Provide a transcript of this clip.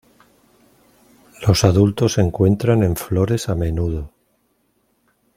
Los adultos se encuentran en flores a menudo.